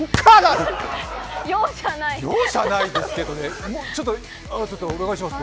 容赦ないですけどね。